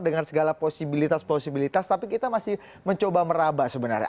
dengan segala posibilitas posibilitas tapi kita masih mencoba meraba sebenarnya